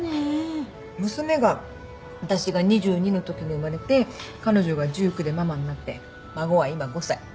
娘が私が２２のときに生まれて彼女が１９でママになって孫は今５歳。